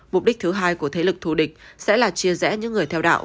mục đích thứ hai của thế lực thù địch sẽ là chia rẽ những người theo đạo